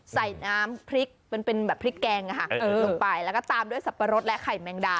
ใส่น้ำพริกเป็นแบบพริกแกงลงไปแล้วก็ตามด้วยสับปะรดและไข่แมงดา